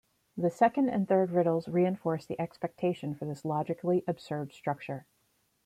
The second and third riddles reinforce the expectation for this logically absurd structure.